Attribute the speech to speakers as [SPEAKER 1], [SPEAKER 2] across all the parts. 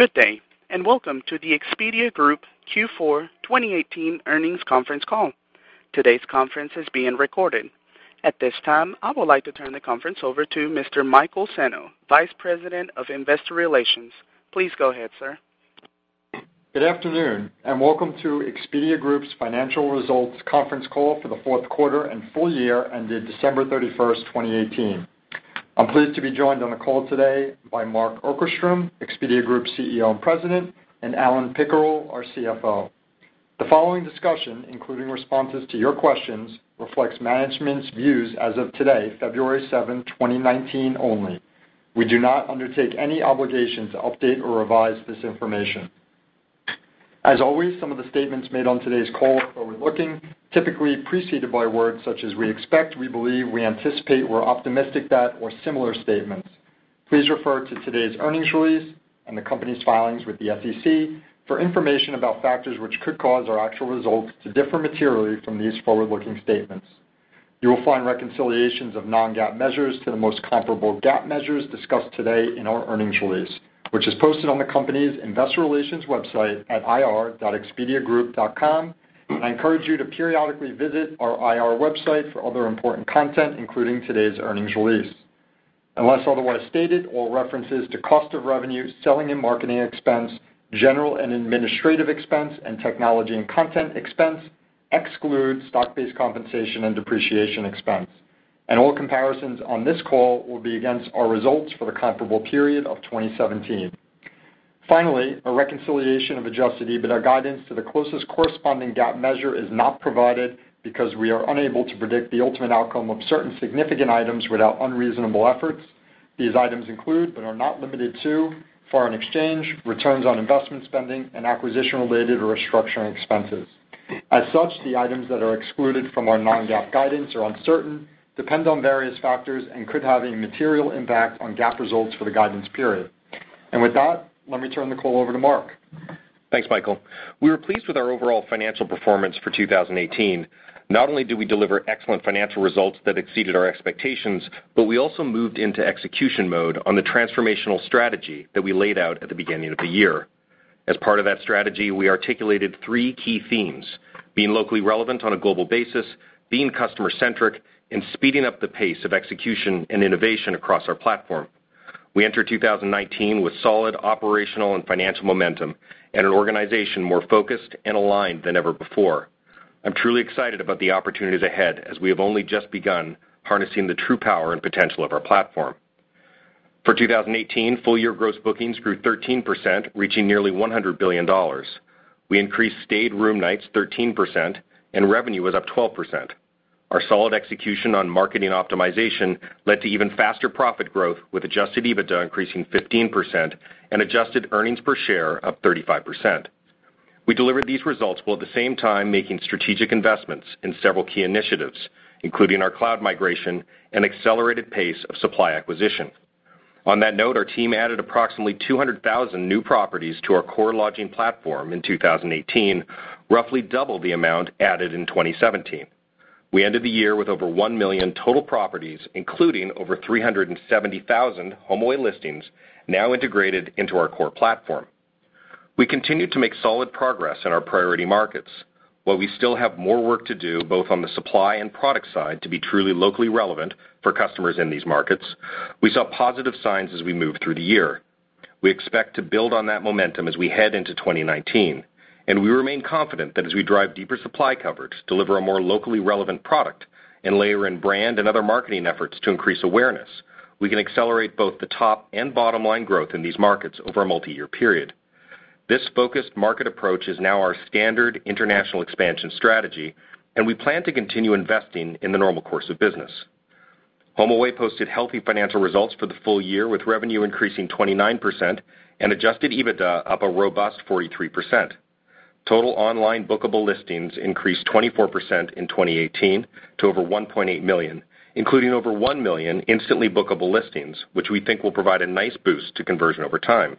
[SPEAKER 1] Good day, welcome to the Expedia Group Q4 2018 earnings conference call. Today's conference is being recorded. At this time, I would like to turn the conference over to Mr. Michael Senno, Vice President of Investor Relations. Please go ahead, sir.
[SPEAKER 2] Good afternoon, welcome to Expedia Group's financial results conference call for the fourth quarter and full year ended December 31, 2018. I'm pleased to be joined on the call today by Mark Okerstrom, Expedia Group CEO and President, and Alan Pickerill, our CFO. The following discussion, including responses to your questions, reflects management's views as of today, February 7, 2019 only. We do not undertake any obligation to update or revise this information. As always, some of the statements made on today's call are forward-looking, typically preceded by words such as "we expect," "we believe," "we anticipate," "we're optimistic that," or similar statements. Please refer to today's earnings release and the company's filings with the SEC for information about factors which could cause our actual results to differ materially from these forward-looking statements. You will find reconciliations of non-GAAP measures to the most comparable GAAP measures discussed today in our earnings release, which is posted on the company's investor relations website at ir.expediagroup.com. I encourage you to periodically visit our IR website for other important content, including today's earnings release. Unless otherwise stated, all references to cost of revenue, selling and marketing expense, general and administrative expense, and technology and content expense exclude stock-based compensation and depreciation expense. All comparisons on this call will be against our results for the comparable period of 2017. Finally, a reconciliation of adjusted EBITDA guidance to the closest corresponding GAAP measure is not provided because we are unable to predict the ultimate outcome of certain significant items without unreasonable efforts. These items include, but are not limited to, foreign exchange, returns on investment spending, and acquisition-related or restructuring expenses. As such, the items that are excluded from our non-GAAP guidance are uncertain, depend on various factors, and could have a material impact on GAAP results for the guidance period. With that, let me turn the call over to Mark.
[SPEAKER 3] Thanks, Michael. We were pleased with our overall financial performance for 2018. Not only did we deliver excellent financial results that exceeded our expectations, but we also moved into execution mode on the transformational strategy that we laid out at the beginning of the year. As part of that strategy, we articulated three key themes, being locally relevant on a global basis, being customer-centric, and speeding up the pace of execution and innovation across our platform. We enter 2019 with solid operational and financial momentum and an organization more focused and aligned than ever before. I'm truly excited about the opportunities ahead as we have only just begun harnessing the true power and potential of our platform. For 2018, full year gross bookings grew 13%, reaching nearly $100 billion. We increased stayed room nights 13% and revenue was up 12%. Our solid execution on marketing optimization led to even faster profit growth with adjusted EBITDA increasing 15% and adjusted earnings per share up 35%. We delivered these results while at the same time making strategic investments in several key initiatives, including our cloud migration and accelerated pace of supply acquisition. On that note, our team added approximately 200,000 new properties to our core lodging platform in 2018, roughly double the amount added in 2017. We ended the year with over 1 million total properties, including over 370,000 HomeAway listings now integrated into our core platform. We continued to make solid progress in our priority markets. While we still have more work to do both on the supply and product side to be truly locally relevant for customers in these markets, we saw positive signs as we moved through the year. We expect to build on that momentum as we head into 2019. We remain confident that as we drive deeper supply coverage, deliver a more locally relevant product, and layer in brand and other marketing efforts to increase awareness, we can accelerate both the top and bottom-line growth in these markets over a multi-year period. This focused market approach is now our standard international expansion strategy. We plan to continue investing in the normal course of business. HomeAway posted healthy financial results for the full year with revenue increasing 29% and adjusted EBITDA up a robust 43%. Total online bookable listings increased 24% in 2018 to over 1.8 million, including over 1 million instantly bookable listings, which we think will provide a nice boost to conversion over time.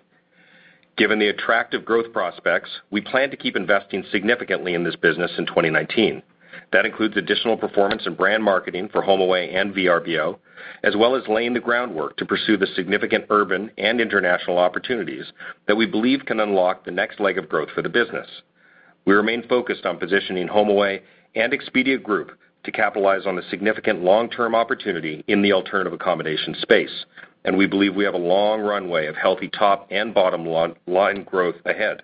[SPEAKER 3] Given the attractive growth prospects, we plan to keep investing significantly in this business in 2019. That includes additional performance in brand marketing for HomeAway and Vrbo as well as laying the groundwork to pursue the significant urban and international opportunities that we believe can unlock the next leg of growth for the business. We remain focused on positioning HomeAway and Expedia Group to capitalize on the significant long-term opportunity in the alternative accommodation space. We believe we have a long runway of healthy top and bottom line growth ahead.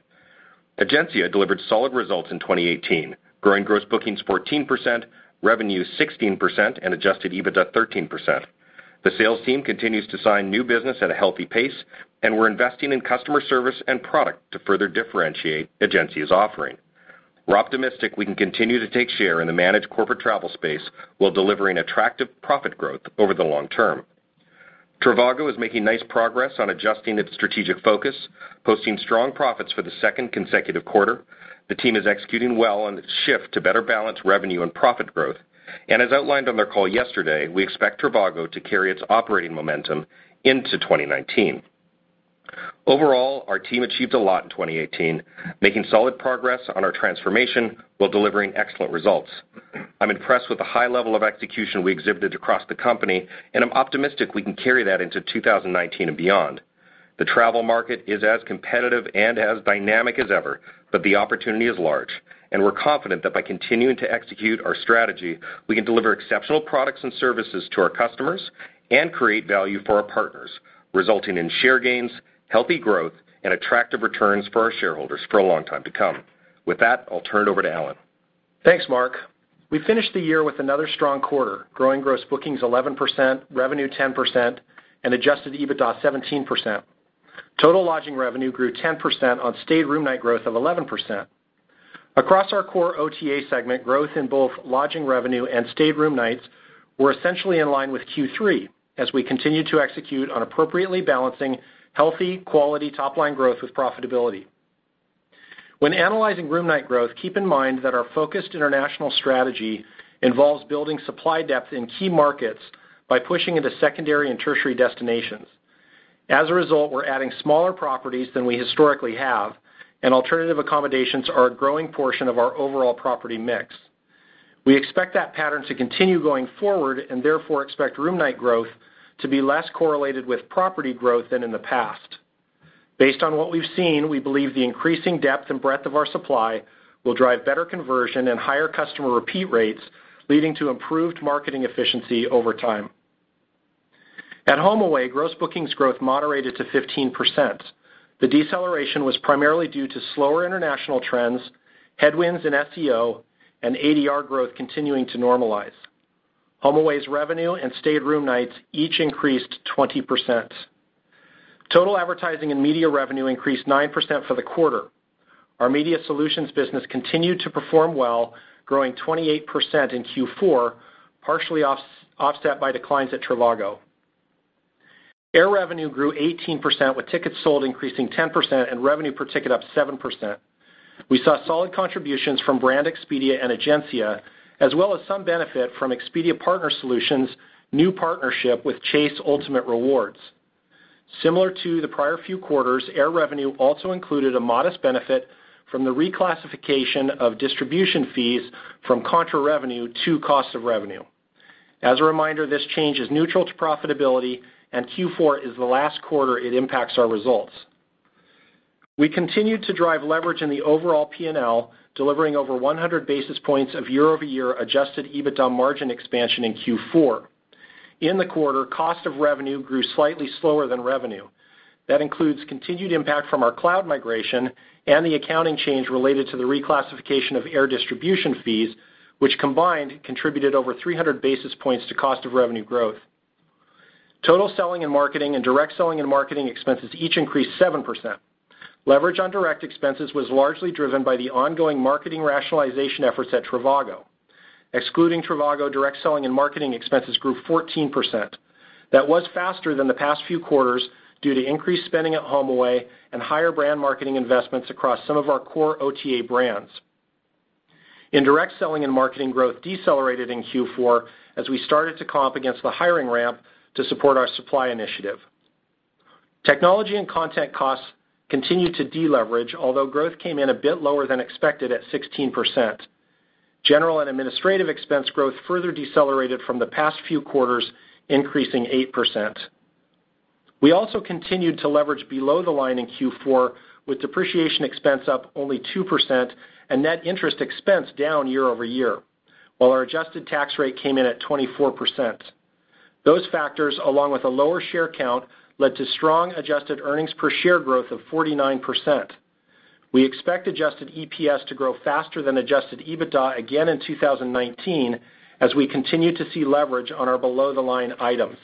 [SPEAKER 3] Egencia delivered solid results in 2018, growing gross bookings 14%, revenue 16%, and adjusted EBITDA 13%. The sales team continues to sign new business at a healthy pace. We're investing in customer service and product to further differentiate Egencia's offering. We're optimistic we can continue to take share in the managed corporate travel space while delivering attractive profit growth over the long term. trivago is making nice progress on adjusting its strategic focus, posting strong profits for the second consecutive quarter. The team is executing well on its shift to better balance revenue and profit growth. As outlined on their call yesterday, we expect trivago to carry its operating momentum into 2019. Overall, our team achieved a lot in 2018, making solid progress on our transformation while delivering excellent results. I'm impressed with the high level of execution we exhibited across the company, and I'm optimistic we can carry that into 2019 and beyond. The travel market is as competitive and as dynamic as ever, but the opportunity is large, and we're confident that by continuing to execute our strategy, we can deliver exceptional products and services to our customers and create value for our partners, resulting in share gains, healthy growth, and attractive returns for our shareholders for a long time to come. With that, I'll turn it over to Alan.
[SPEAKER 4] Thanks, Mark. We finished the year with another strong quarter, growing gross bookings 11%, revenue 10%, and adjusted EBITDA 17%. Total lodging revenue grew 10% on stayed room night growth of 11%. Across our core OTA segment, growth in both lodging revenue and stayed room nights were essentially in line with Q3 as we continued to execute on appropriately balancing healthy, quality top-line growth with profitability. When analyzing room night growth, keep in mind that our focused international strategy involves building supply depth in key markets by pushing into secondary and tertiary destinations. As a result, we're adding smaller properties than we historically have, and alternative accommodations are a growing portion of our overall property mix. We expect that pattern to continue going forward and therefore expect room night growth to be less correlated with property growth than in the past. Based on what we've seen, we believe the increasing depth and breadth of our supply will drive better conversion and higher customer repeat rates, leading to improved marketing efficiency over time. At HomeAway, gross bookings growth moderated to 15%. The deceleration was primarily due to slower international trends, headwinds in SEO, and ADR growth continuing to normalize. HomeAway's revenue and stayed room nights each increased 20%. Total advertising and media revenue increased 9% for the quarter. Our media solutions business continued to perform well, growing 28% in Q4, partially offset by declines at trivago. Air revenue grew 18%, with tickets sold increasing 10% and revenue per ticket up 7%. We saw solid contributions from Brand Expedia and Egencia, as well as some benefit from Expedia Partner Solutions' new partnership with Chase Ultimate Rewards. Similar to the prior few quarters, air revenue also included a modest benefit from the reclassification of distribution fees from contra revenue to cost of revenue. As a reminder, this change is neutral to profitability, and Q4 is the last quarter it impacts our results. We continued to drive leverage in the overall P&L, delivering over 100 basis points of year-over-year adjusted EBITDA margin expansion in Q4. In the quarter, cost of revenue grew slightly slower than revenue. That includes continued impact from our cloud migration and the accounting change related to the reclassification of air distribution fees, which combined contributed over 300 basis points to cost of revenue growth. Total selling and marketing and direct selling and marketing expenses each increased 7%. Leverage on direct expenses was largely driven by the ongoing marketing rationalization efforts at trivago. Excluding trivago, direct selling and marketing expenses grew 14%. That was faster than the past few quarters due to increased spending at HomeAway and higher brand marketing investments across some of our core OTA brands. Indirect selling and marketing growth decelerated in Q4 as we started to comp against the hiring ramp to support our supply initiative. Technology and content costs continued to deleverage, although growth came in a bit lower than expected at 16%. General and administrative expense growth further decelerated from the past few quarters, increasing 8%. We also continued to leverage below the line in Q4 with depreciation expense up only 2% and net interest expense down year-over-year, while our adjusted tax rate came in at 24%. Those factors, along with a lower share count, led to strong adjusted earnings per share growth of 49%. We expect adjusted EPS to grow faster than adjusted EBITDA again in 2019 as we continue to see leverage on our below-the-line items.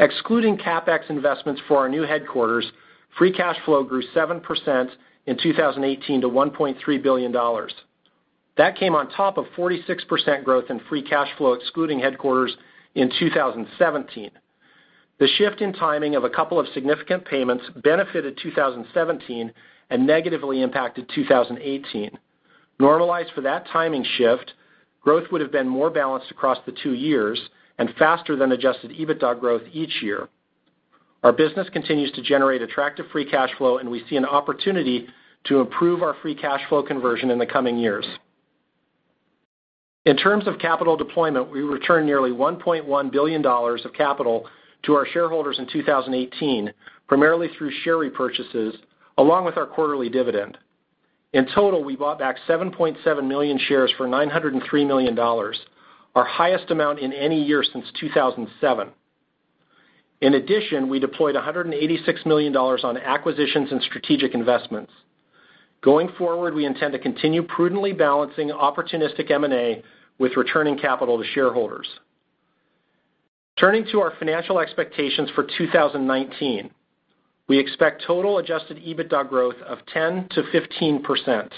[SPEAKER 4] Excluding CapEx investments for our new headquarters, free cash flow grew 7% in 2018 to $1.3 billion. That came on top of 46% growth in free cash flow excluding headquarters in 2017. Normalized for that timing shift, growth would have been more balanced across the two years and faster than adjusted EBITDA growth each year. Our business continues to generate attractive free cash flow, and we see an opportunity to improve our free cash flow conversion in the coming years. In terms of capital deployment, we returned nearly $1.1 billion of capital to our shareholders in 2018, primarily through share repurchases along with our quarterly dividend. In total, we bought back 7.7 million shares for $903 million, our highest amount in any year since 2007. In addition, we deployed $186 million on acquisitions and strategic investments. Going forward, we intend to continue prudently balancing opportunistic M&A with returning capital to shareholders. Turning to our financial expectations for 2019, we expect total adjusted EBITDA growth of 10%-15%.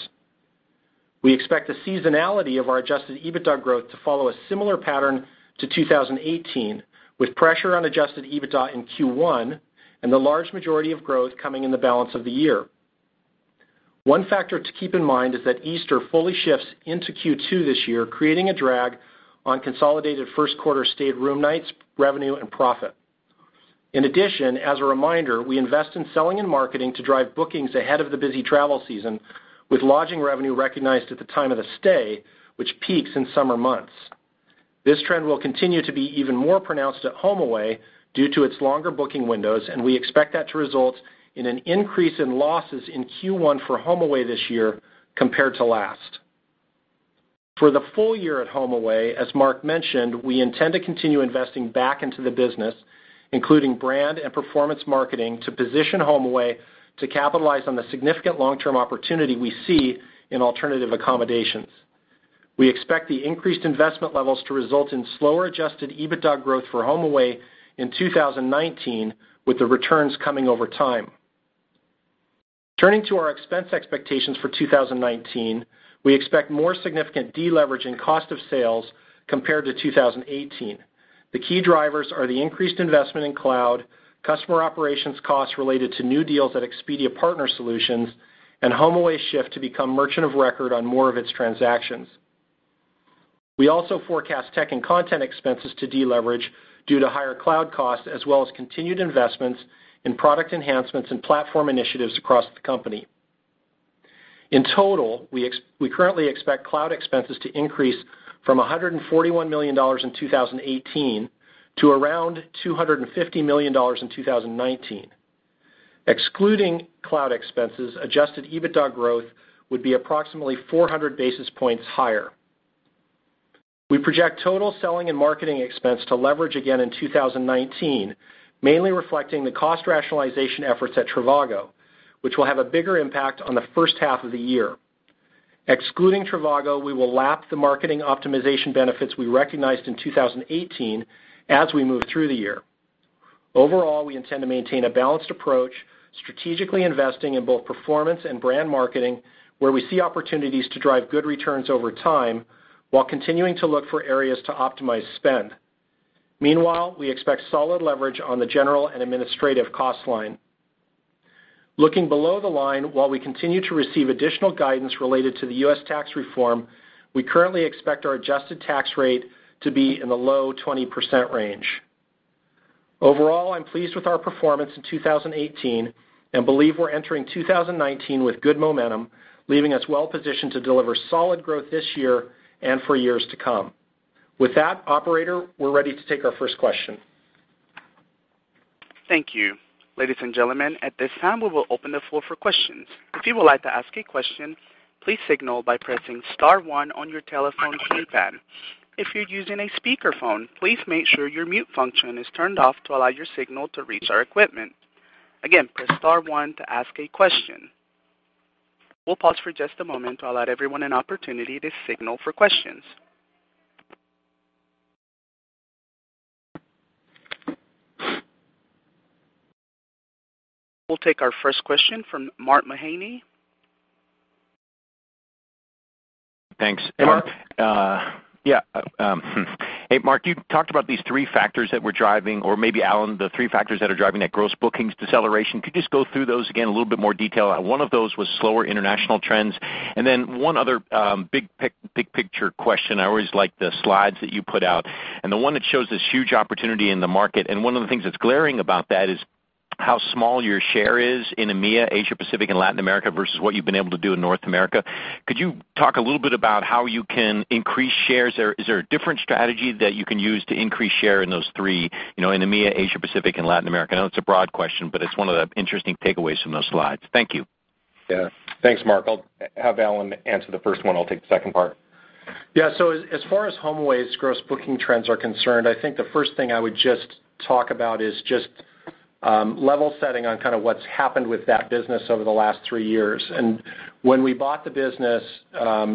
[SPEAKER 4] We expect the seasonality of our adjusted EBITDA growth to follow a similar pattern to 2018, with pressure on adjusted EBITDA in Q1 and the large majority of growth coming in the balance of the year. One factor to keep in mind is that Easter fully shifts into Q2 this year, creating a drag on consolidated first quarter stayed room nights, revenue, and profit. In addition, as a reminder, we invest in selling and marketing to drive bookings ahead of the busy travel season with lodging revenue recognized at the time of the stay, which peaks in summer months. This trend will continue to be even more pronounced at HomeAway due to its longer booking windows, and we expect that to result in an increase in losses in Q1 for HomeAway this year compared to last. For the full year at HomeAway, as Mark mentioned, we intend to continue investing back into the business, including brand and performance marketing, to position HomeAway to capitalize on the significant long-term opportunity we see in alternative accommodations. We expect the increased investment levels to result in slower adjusted EBITDA growth for HomeAway in 2019, with the returns coming over time. Turning to our expense expectations for 2019, we expect more significant deleverage in cost of sales compared to 2018. The key drivers are the increased investment in cloud, customer operations costs related to new deals at Expedia Partner Solutions, and HomeAway's shift to become merchant of record on more of its transactions. We also forecast tech and content expenses to deleverage due to higher cloud costs, as well as continued investments in product enhancements and platform initiatives across the company. In total, we currently expect cloud expenses to increase from $141 million in 2018 to around $250 million in 2019. Excluding cloud expenses, adjusted EBITDA growth would be approximately 400 basis points higher. We project total selling and marketing expense to leverage again in 2019, mainly reflecting the cost rationalization efforts at trivago, which will have a bigger impact on the first half of the year. Excluding trivago, we will lap the marketing optimization benefits we recognized in 2018 as we move through the year. Overall, we intend to maintain a balanced approach, strategically investing in both performance and brand marketing, where we see opportunities to drive good returns over time while continuing to look for areas to optimize spend. Meanwhile, we expect solid leverage on the general and administrative cost line. Looking below the line, while we continue to receive additional guidance related to the U.S. tax reform, we currently expect our adjusted tax rate to be in the low 20% range. Overall, I'm pleased with our performance in 2018 and believe we're entering 2019 with good momentum, leaving us well positioned to deliver solid growth this year and for years to come. With that, operator, we're ready to take our first question.
[SPEAKER 1] Thank you. Ladies and gentlemen, at this time, we will open the floor for questions. If you would like to ask a question, please signal by pressing *1 on your telephone keypad. If you're using a speakerphone, please make sure your mute function is turned off to allow your signal to reach our equipment. Again, press *1 to ask a question. We'll pause for just a moment to allow everyone an opportunity to signal for questions. We'll take our first question from Mark Mahaney.
[SPEAKER 5] Thanks.
[SPEAKER 4] Hey, Mark.
[SPEAKER 5] Yeah. Hey, Mark, you talked about these three factors that we're driving, or maybe Alan, the three factors that are driving that gross bookings deceleration. Could you just go through those again in a little bit more detail? One of those was slower international trends. One other big picture question. I always like the slides that you put out, and the one that shows this huge opportunity in the market, and one of the things that's glaring about that is how small your share is in EMEA, Asia Pacific, and Latin America versus what you've been able to do in North America. Could you talk a little bit about how you can increase shares there? Is there a different strategy that you can use to increase share in those three, in EMEA, Asia Pacific, and Latin America? I know it's a broad question, but it's one of the interesting takeaways from those slides. Thank you.
[SPEAKER 4] Yeah. Thanks, Mark. I'll have Alan answer the first one. I'll take the second part. Yeah. As far as HomeAway's gross booking trends are concerned, I think the first thing I would just talk about is just level setting on what's happened with that business over the last three years. When we bought the business,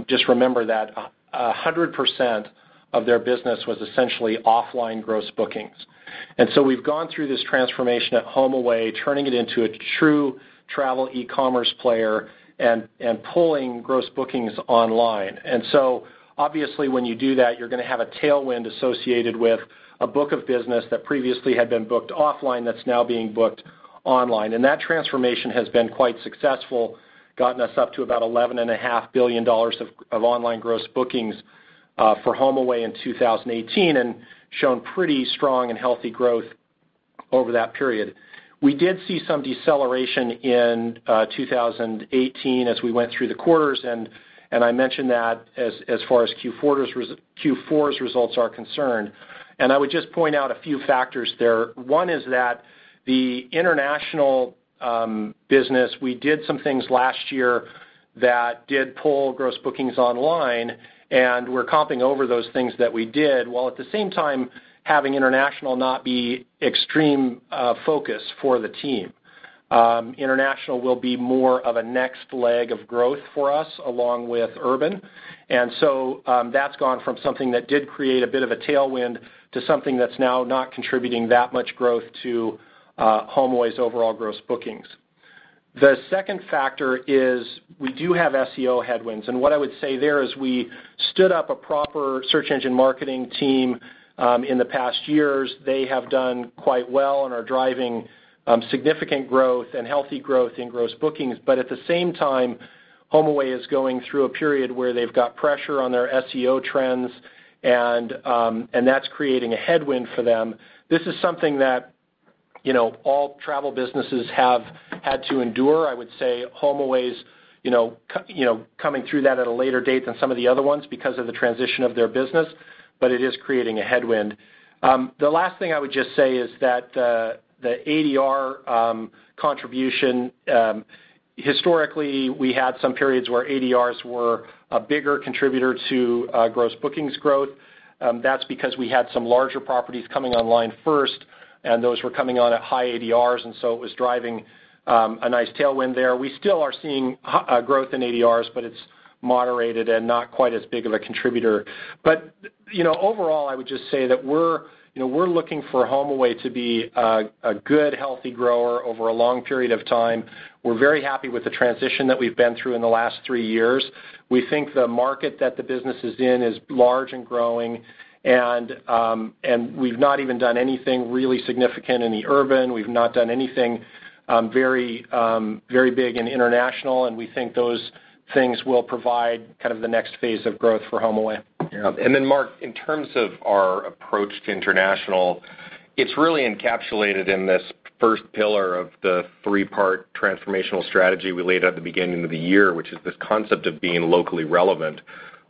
[SPEAKER 4] just remember that 100% of their business was essentially offline gross bookings. We've gone through this transformation at HomeAway, turning it into a true travel e-commerce player and pulling gross bookings online. Obviously, when you do that, you're going to have a tailwind associated with a book of business that previously had been booked offline that's now being booked online. That transformation has been quite successful, gotten us up to about $11.5 billion of online gross bookings for HomeAway in 2018, and shown pretty strong and healthy growth over that period. We did see some deceleration in 2018 as we went through the quarters. I mentioned that as far as Q4's results are concerned. I would just point out a few factors there. One is that the international business, we did some things last year that did pull gross bookings online. We're comping over those things that we did, while at the same time, having international not be extreme focus for the team. International will be more of a next leg of growth for us, along with urban. That's gone from something that did create a bit of a tailwind to something that's now not contributing that much growth to HomeAway's overall gross bookings. The second factor is we do have SEO headwinds. What I would say there is we stood up a proper search engine marketing team in the past years.
[SPEAKER 1] They have done quite well and are driving significant growth and healthy growth in gross bookings. At the same time, HomeAway is going through a period where they've got pressure on their SEO trends, and that's creating a headwind for them. This is something that
[SPEAKER 4] All travel businesses have had to endure. I would say HomeAway is coming through that at a later date than some of the other ones because of the transition of their business, but it is creating a headwind. The last thing I would just say is that the ADR contribution, historically, we had some periods where ADRs were a bigger contributor to gross bookings growth. That's because we had some larger properties coming online first, and those were coming on at high ADRs, and so it was driving a nice tailwind there. We still are seeing growth in ADRs, but it's moderated and not quite as big of a contributor. Overall, I would just say that we're looking for HomeAway to be a good, healthy grower over a long period of time. We're very happy with the transition that we've been through in the last three years. We think the market that the business is in is large and growing. We've not even done anything really significant in the urban. We've not done anything very big in international. We think those things will provide the next phase of growth for HomeAway.
[SPEAKER 3] Yeah. Then Mark, in terms of our approach to international, it is really encapsulated in this three-part transformational strategy we laid out at the beginning of the year, which is this concept of being locally relevant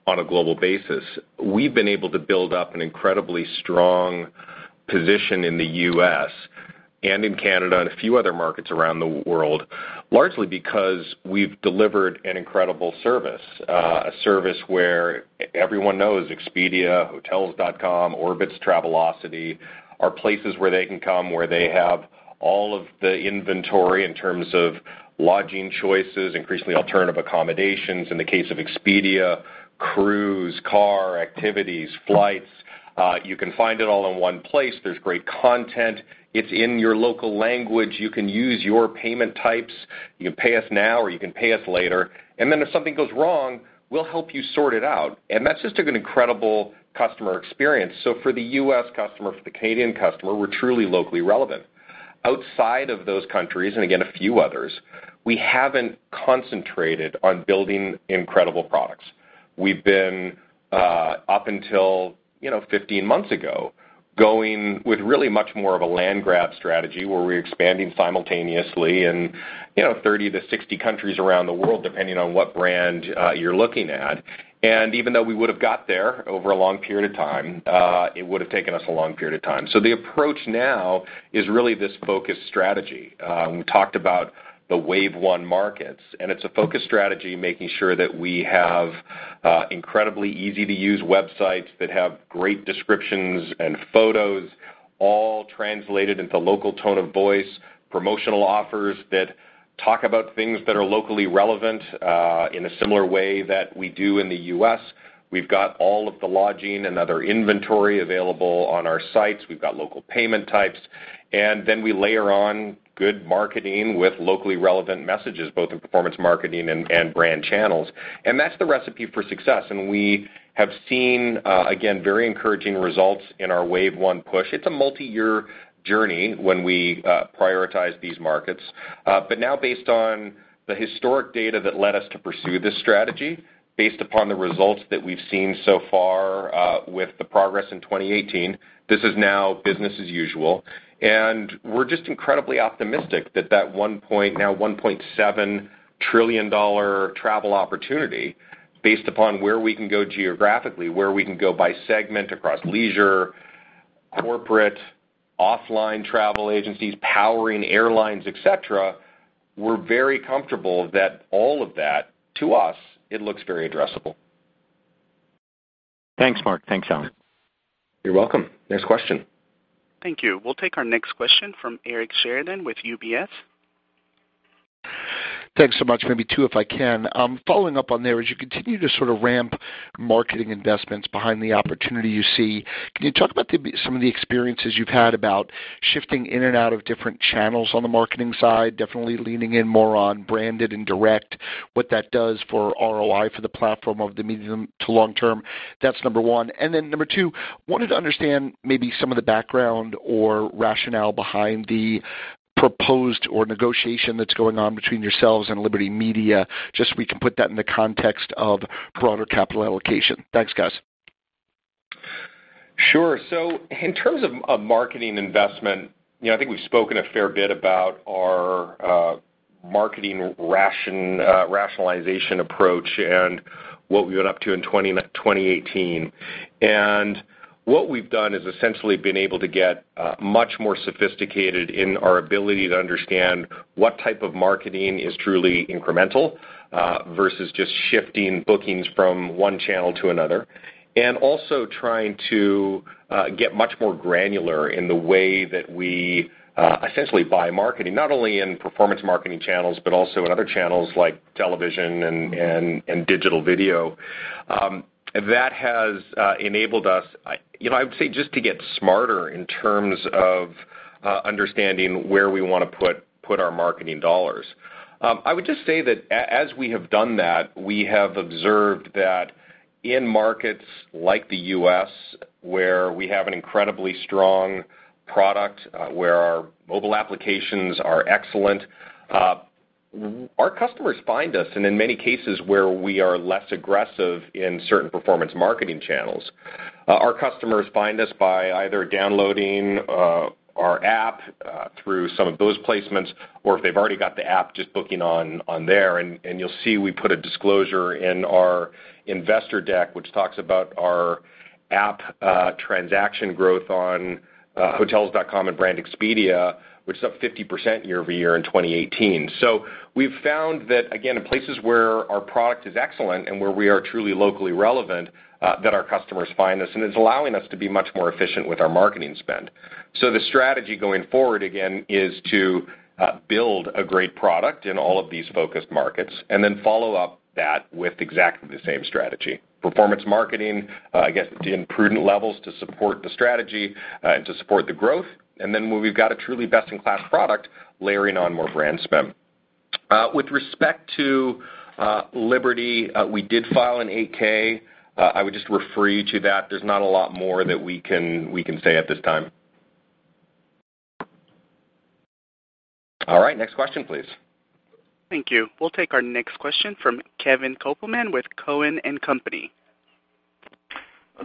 [SPEAKER 3] on a global basis. We've been able to build up an incredibly strong position in the U.S. and in Canada and a few other markets around the world, largely because we've delivered an incredible service, a service where everyone knows Expedia, Hotels.com, Orbitz, Travelocity, are places where they can come, where they have all of the inventory in terms of lodging choices, increasingly alternative accommodations in the case of Expedia, cruise, car, activities, flights. You can find it all in one place. There is great content. It is in your local language. You can use your payment types. You can pay us now, or you can pay us later. Then if something goes wrong, we will help you sort it out. That is just an incredible customer experience. For the U.S. customer, for the Canadian customer, we are truly locally relevant. Outside of those countries, again, a few others, we have not concentrated on building incredible products. We have been up until 15 months ago, going with really much more of a land grab strategy where we are expanding simultaneously in 30-60 countries around the world, depending on what brand you are looking at. Even though we would have got there over a long period of time, it would have taken us a long period of time. The approach now is really this focused strategy. We talked about the wave 1 markets. It is a focused strategy, making sure that we have incredibly easy-to-use websites that have great descriptions and photos all translated into local tone of voice, promotional offers that talk about things that are locally relevant, in a similar way that we do in the U.S. We have got all of the lodging and other inventory available on our sites. We have got local payment types. Then we layer on good marketing with locally relevant messages, both in performance marketing and brand channels. That is the recipe for success. We have seen, again, very encouraging results in our wave 1 push. It is a multi-year journey when we prioritize these markets. Now based on the historic data that led us to pursue this strategy, based upon the results that we've seen so far with the progress in 2018, this is now business as usual. We're just incredibly optimistic that one point now $1.7 trillion travel opportunity based upon where we can go geographically, where we can go by segment across leisure, corporate, offline travel agencies, powering airlines, et cetera. We're very comfortable that all of that, to us, it looks very addressable.
[SPEAKER 5] Thanks, Mark. Thanks, Alan.
[SPEAKER 3] You're welcome. Next question.
[SPEAKER 1] Thank you. We'll take our next question from Eric Sheridan with UBS.
[SPEAKER 6] Thanks so much. Maybe two, if I can. Following up on there, as you continue to sort of ramp marketing investments behind the opportunity you see, can you talk about some of the experiences you've had about shifting in and out of different channels on the marketing side, definitely leaning in more on branded and direct, what that does for ROI for the platform over the medium to long term? That's number one. Number two, wanted to understand maybe some of the background or rationale behind the proposed or negotiation that's going on between yourselves and Liberty Media, just so we can put that in the context of broader capital allocation. Thanks, guys.
[SPEAKER 3] Sure. In terms of marketing investment, I think we've spoken a fair bit about our marketing rationalization approach and what we went up to in 2018. What we've done is essentially been able to get much more sophisticated in our ability to understand what type of marketing is truly incremental versus just shifting bookings from one channel to another. Also trying to get much more granular in the way that we essentially buy marketing, not only in performance marketing channels but also in other channels like television and digital video. That has enabled us, I would say just to get smarter in terms of understanding where we want to put our marketing dollars. I would just say that as we have done that, we have observed that in markets like the U.S. where we have an incredibly strong product, where our mobile applications are excellent, our customers find us, and in many cases where we are less aggressive in certain performance marketing channels, our customers find us by either downloading our app through some of those placements, or if they've already got the app, just booking on there. You'll see, we put a disclosure in our investor deck, which talks about our app transaction growth on Hotels.com and Brand Expedia, which is up 50% year-over-year in 2018. We've found that, again, in places where our product is excellent and where we are truly locally relevant, that our customers find us, and it's allowing us to be much more efficient with our marketing spend. The strategy going forward, again, is to build a great product in all of these focused markets and then follow up that with exactly the same strategy. Performance marketing, I guess, in prudent levels to support the strategy and to support the growth, and then when we've got a truly best-in-class product, layering on more brand spend. With respect to Liberty, we did file an 8-K. I would just refer you to that. There's not a lot more that we can say at this time. All right, next question, please.
[SPEAKER 1] Thank you. We'll take our next question from Kevin Kopelman with Cowen and Company.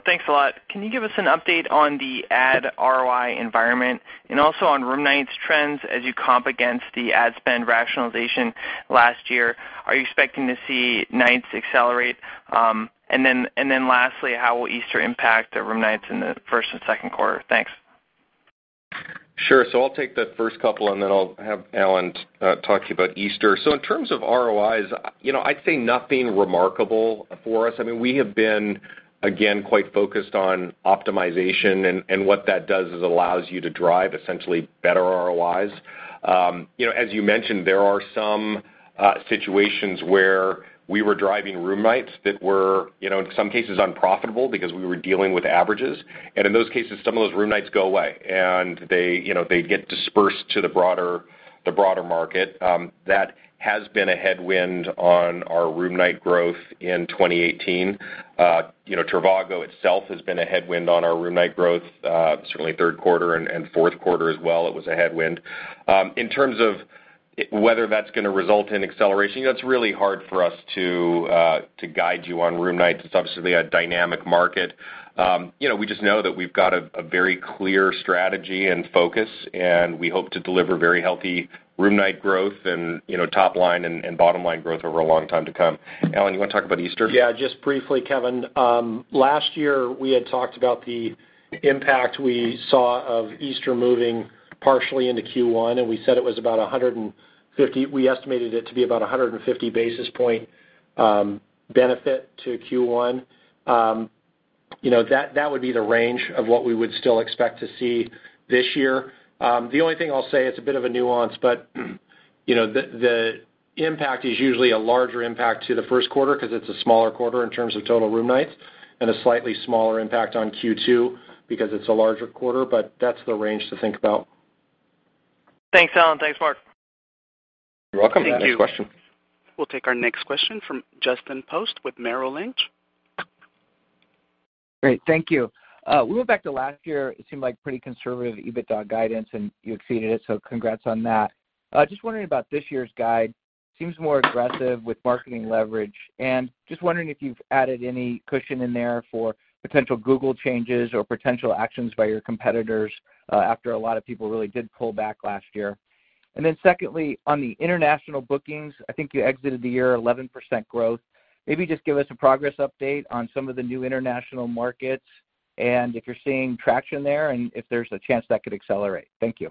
[SPEAKER 7] Thanks a lot. Can you give us an update on the ad ROI environment and also on room nights trends as you comp against the ad spend rationalization last year? Are you expecting to see nights accelerate? Lastly, how will Easter impact the room nights in the first and second quarter? Thanks.
[SPEAKER 3] Sure. I'll take the first couple, I'll have Alan talk to you about Easter. In terms of ROIs, I'd say nothing remarkable for us. We have been, again, quite focused on optimization, what that does is allows you to drive essentially better ROIs. As you mentioned, there are some situations where we were driving room nights that were, in some cases, unprofitable because we were dealing with averages. In those cases, some of those room nights go away, and they get dispersed to the broader market. That has been a headwind on our room night growth in 2018. trivago itself has been a headwind on our room night growth. Certainly third quarter and fourth quarter as well, it was a headwind. In terms of whether that's going to result in acceleration, that's really hard for us to guide you on room nights.
[SPEAKER 5] It's obviously a dynamic market. We just know that we've got a very clear strategy and focus, we hope to deliver very healthy room night growth and top line and bottom line growth over a long time to come. Alan, you want to talk about Easter? Yeah, just briefly, Kevin. Last year, we had talked about the impact we saw of Easter moving partially into Q1, and we said it was about 150. We estimated it to be about 150 basis point benefit to Q1. That would be the range of what we would still expect to see this year.
[SPEAKER 3] The only thing I'll say, it's a bit of a nuance, but the impact is usually a larger impact to the first quarter because it's a smaller quarter in terms of total room nights, and a slightly smaller impact on Q2 because it's a larger quarter, but that's the range to think about.
[SPEAKER 7] Thanks, Alan. Thanks, Mark.
[SPEAKER 3] You're welcome. Next question.
[SPEAKER 1] Thank you. We'll take our next question from Justin Post with Merrill Lynch.
[SPEAKER 8] Great. Thank you. We went back to last year, it seemed like pretty conservative EBITDA guidance, and you exceeded it, so congrats on that. Wondering about this year's guide. Seems more aggressive with marketing leverage, wondering if you've added any cushion in there for potential Google changes or potential actions by your competitors, after a lot of people really did pull back last year. Secondly, on the international bookings, I think you exited the year 11% growth. Maybe give us a progress update on some of the new international markets and if you're seeing traction there and if there's a chance that could accelerate. Thank you.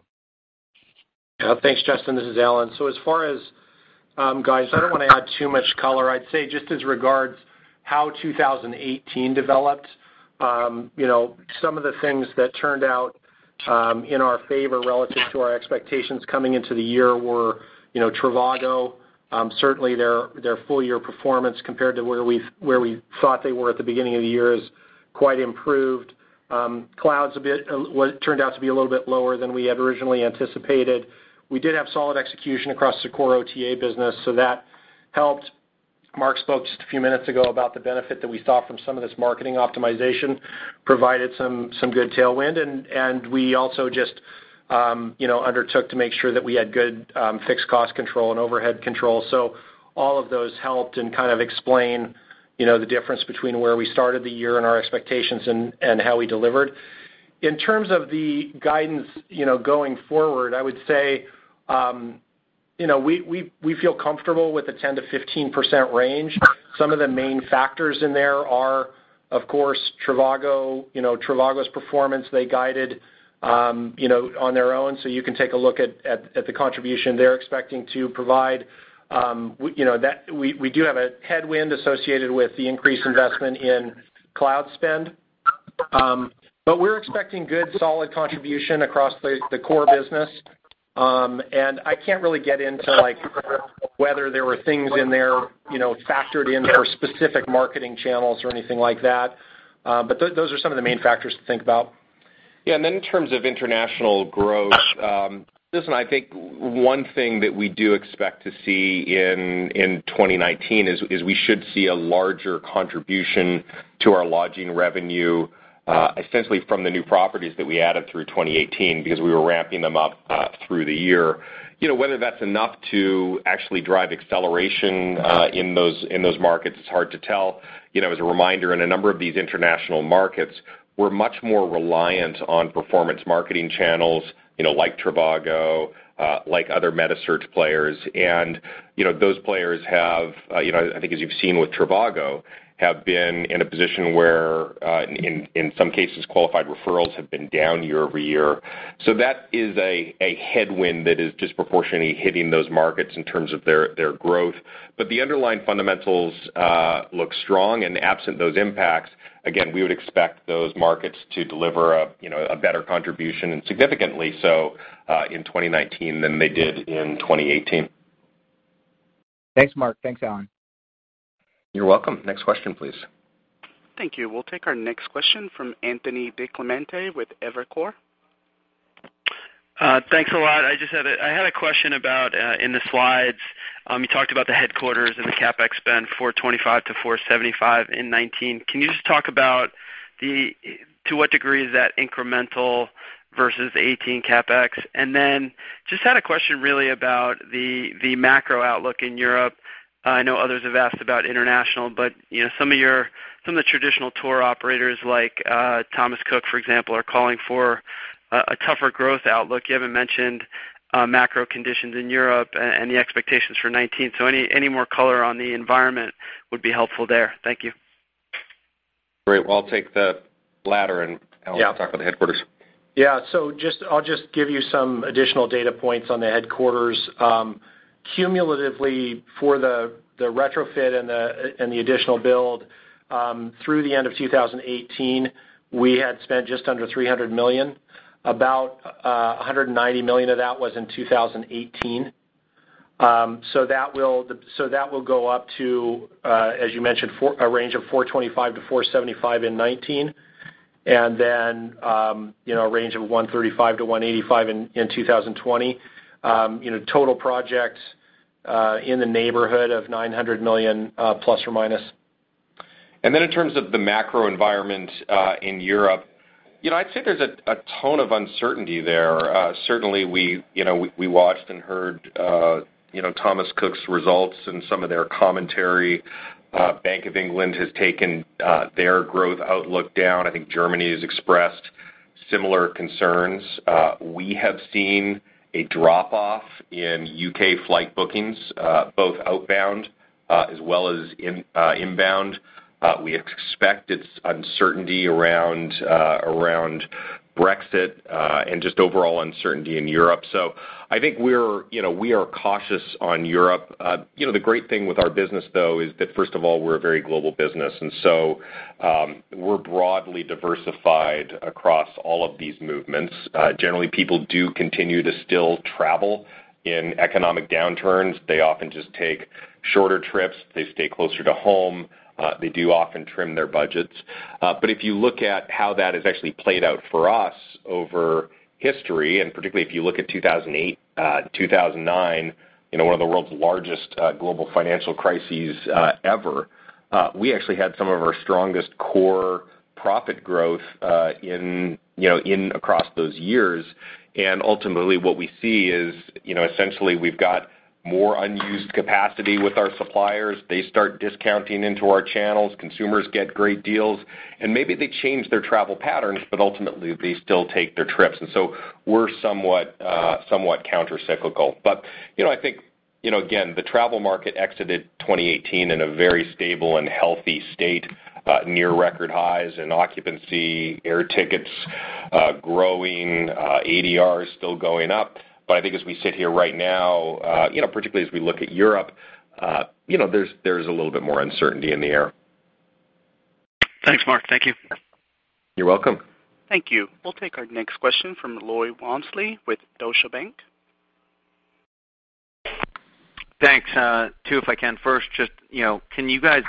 [SPEAKER 4] Yeah. Thanks, Justin. This is Alan. As far as guides, I don't want to add too much color. I'd say as regards how 2018 developed, some of the things that turned out in our favor relative to our expectations coming into the year were trivago. Certainly their full-year performance compared to where we thought they were at the beginning of the year is quite improved. Cloud's turned out to be a little bit lower than we had originally anticipated. We did have solid execution across the core OTA business, that helped. Mark spoke a few minutes ago about the benefit that we saw from some of this marketing optimization, provided some good tailwind. We also undertook to make sure that we had good fixed cost control and overhead control.
[SPEAKER 3] All of those helped and kind of explain the difference between where we started the year and our expectations and how we delivered. In terms of the guidance going forward, I would say we feel comfortable with the 10%-15% range. Some of the main factors in there are, of course, trivago's performance. They guided on their own, you can take a look at the contribution they're expecting to provide. We do have a headwind associated with the increased investment in cloud spend. We're expecting good, solid contribution across the core business. I can't really get into whether there were things in there factored in for specific marketing channels or anything like that. Those are some of the main factors to think about. Yeah. In terms of international growth, listen, I think one thing that we do expect to see in 2019 is we should see a larger contribution to our lodging revenue, essentially from the new properties that we added through 2018 because we were ramping them up through the year. Whether that's enough to actually drive acceleration in those markets, it's hard to tell. As a reminder, in a number of these international markets, we're much more reliant on performance marketing channels like trivago, like other meta search players. Those players have, I think as you've seen with trivago, have been in a position where, in some cases, qualified referrals have been down year-over-year. That is a headwind that is disproportionately hitting those markets in terms of their growth. The underlying fundamentals look strong and absent those impacts, again, we would expect those markets to deliver a better contribution and significantly so in 2019 than they did in 2018.
[SPEAKER 8] Thanks, Mark. Thanks, Alan.
[SPEAKER 3] You're welcome. Next question, please.
[SPEAKER 1] Thank you. We'll take our next question from Anthony DiClemente with Evercore.
[SPEAKER 9] Thanks a lot. I had a question about in the slides, you talked about the headquarters and the CapEx spend, $425-$475 in 2019. Can you just talk about to what degree is that incremental versus 2018 CapEx? Just had a question really about the macro outlook in Europe. I know others have asked about international, but some of the traditional tour operators like Thomas Cook, for example, are calling for a tougher growth outlook. You haven't mentioned macro conditions in Europe and the expectations for 2019. Any more color on the environment would be helpful there. Thank you.
[SPEAKER 3] Great. I'll take the latter, Alan can talk on the headquarters.
[SPEAKER 4] I'll just give you some additional data points on the headquarters. Cumulatively, for the retrofit and the additional build through the end of 2018, we had spent just under $300 million. About $190 million of that was in 2018. That will go up to, as you mentioned, a range of $425-$475 in 2019, and a range of $135-$185 in 2020. Total project in the neighborhood of $900 million plus or minus.
[SPEAKER 3] In terms of the macro environment in Europe, I'd say there's a tone of uncertainty there. Certainly, we watched and heard Thomas Cook's results and some of their commentary. Bank of England has taken their growth outlook down. I think Germany has expressed similar concerns. We have seen a drop-off in U.K. flight bookings, both outbound as well as inbound. We expect it's uncertainty around Brexit, and just overall uncertainty in Europe. I think we are cautious on Europe. The great thing with our business, though, is that first of all, we're a very global business, we're broadly diversified across all of these movements. Generally, people do continue to still travel in economic downturns. They often just take shorter trips. They stay closer to home. They do often trim their budgets. If you look at how that has actually played out for us over history, particularly if you look at 2008, 2009, one of the world's largest global financial crises ever, we actually had some of our strongest core profit growth in across those years. Ultimately, what we see is essentially we've got more unused capacity with our suppliers. They start discounting into our channels, consumers get great deals, and maybe they change their travel patterns, but ultimately, they still take their trips. So we're somewhat countercyclical. I think, again, the travel market exited 2018 in a very stable and healthy state, near record highs in occupancy, air tickets growing, ADR is still going up. I think as we sit here right now, particularly as we look at Europe, there's a little bit more uncertainty in the air.
[SPEAKER 9] Thanks, Mark. Thank you.
[SPEAKER 3] You're welcome.
[SPEAKER 1] Thank you. We'll take our next question from Lloyd Walmsley with Deutsche Bank.
[SPEAKER 10] Thanks. Two, if I can. First, just can you guys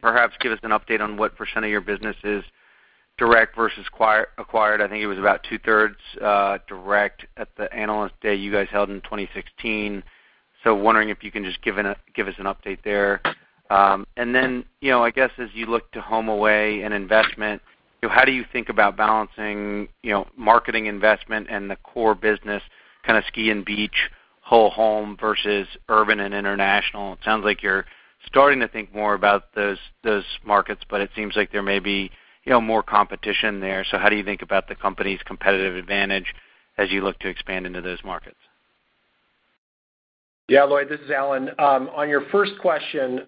[SPEAKER 10] perhaps give us an update on what % of your business is direct versus acquired? I think it was about two-thirds direct at the Analyst Day you guys held in 2016. Wondering if you can just give us an update there. I guess as you look to HomeAway and investment, how do you think about balancing marketing investment and the core business, kind of ski and beach, whole home versus urban and international? It sounds like you're starting to think more about those markets, but it seems like there may be more competition there. How do you think about the company's competitive advantage as you look to expand into those markets?
[SPEAKER 4] Yeah, Lloyd, this is Alan. On your first question,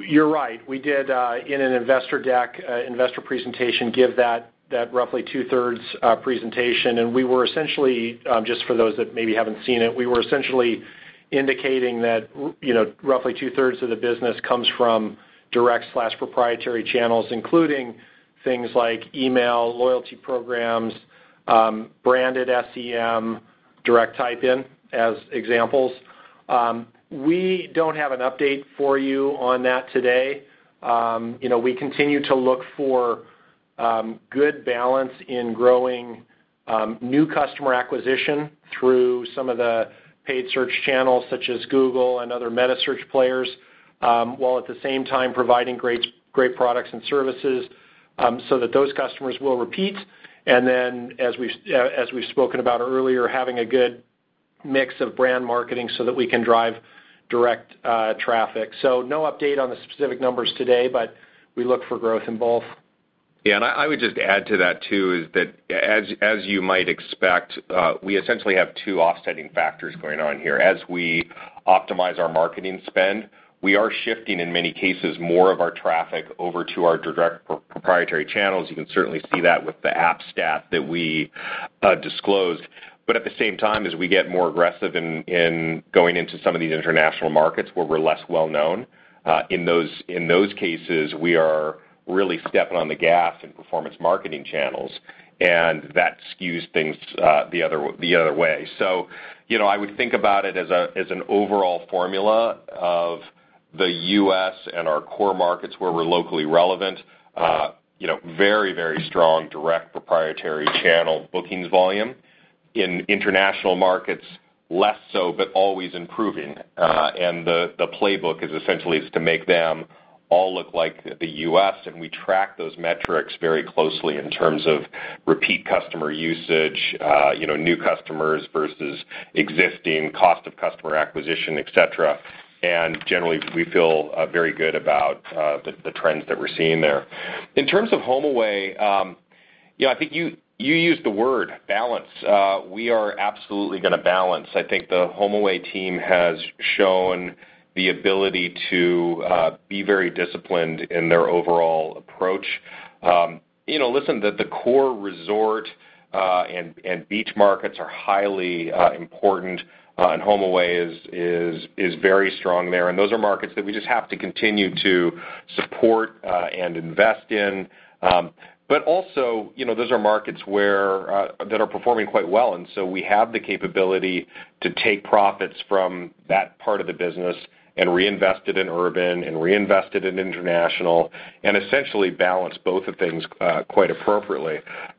[SPEAKER 4] you're right. We did in an investor deck, investor presentation, give that roughly two-thirds presentation. Just for those that maybe haven't seen it, we were essentially indicating that roughly two-thirds of the business comes from direct/proprietary channels, including things like email, loyalty programs, branded SEM, direct type-in as examples. We don't have an update for you on that today. We continue to look for good balance in growing new customer acquisition through some of the paid search channels such as Google and other meta search players, while at the same time providing great products and services, so that those customers will repeat. As we've spoken about earlier, having a good mix of brand marketing so that we can drive direct traffic. No update on the specific numbers today, but we look for growth in both.
[SPEAKER 3] Yeah, I would just add to that too, is that as you might expect, we essentially have two offsetting factors going on here. As we optimize our marketing spend, we are shifting, in many cases, more of our traffic over to our direct proprietary channels. You can certainly see that with the app stat that we disclosed. At the same time, as we get more aggressive in going into some of these international markets where we're less well-known, in those cases, we are really stepping on the gas in performance marketing channels, and that skews things the other way. I would think about it as an overall formula of the U.S. and our core markets where we're locally relevant. Very strong direct proprietary channel bookings volume. In international markets, less so, but always improving. The playbook is essentially is to make them all look like the U.S., and we track those metrics very closely in terms of repeat customer usage, new customers versus existing cost of customer acquisition, et cetera. Generally, we feel very good about the trends that we're seeing there. In terms of HomeAway, I think you used the word balance. We are absolutely going to balance. I think the HomeAway team has shown the ability to be very disciplined in their overall approach. Listen, the core resort, and beach markets are highly important, and HomeAway is very strong there, and those are markets that we just have to continue to support, and invest in. Also, those are markets that are performing quite well. We have the capability to take profits from that part of the business and reinvest it in urban and reinvest it in international, and essentially balance both of things quite appropriately.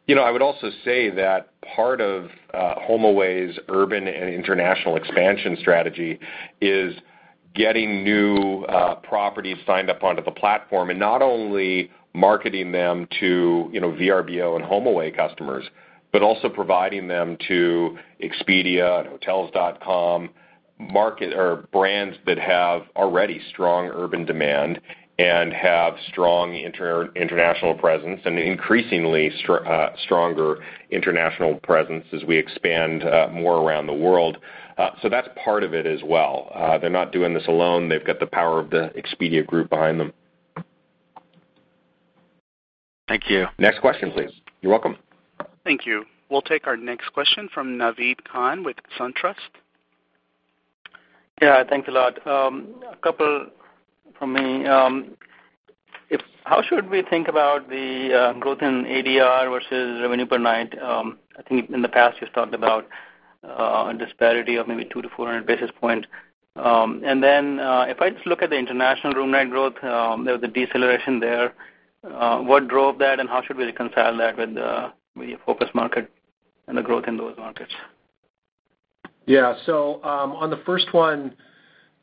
[SPEAKER 3] I would also say that part of HomeAway's urban and international expansion strategy is getting new properties signed up onto the platform, and not only marketing them to Vrbo and HomeAway customers, but also providing them to Expedia and Hotels.com, market or brands that have already strong urban demand and have strong international presence, and increasingly stronger international presence as we expand more around the world. That's part of it as well. They're not doing this alone. They've got the power of the Expedia Group behind them.
[SPEAKER 4] Thank you.
[SPEAKER 3] Next question, please. You're welcome.
[SPEAKER 1] Thank you. We'll take our next question from Naved Khan with SunTrust.
[SPEAKER 11] Yeah, thanks a lot. A couple from me. How should we think about the growth in ADR versus revenue per night? I think in the past, you've talked about a disparity of maybe 2 to 400 basis points. If I just look at the international room night growth, there was a deceleration there. What drove that, and how should we reconcile that with your focus market and the growth in those markets?
[SPEAKER 4] Yeah. On the first one,